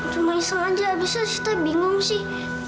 cuma iseng aja abis itu sita bingung sih